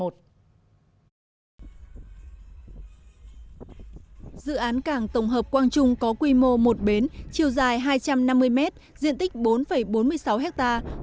dự án cảng tổng hợp quang trung có quy mô một bến chiều dài hai trăm năm mươi mét diện tích bốn bốn mươi sáu hectare